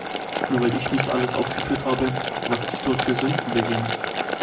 Nur weil ich nicht alles aufgeführt habe, was die dort für Sünden begehen.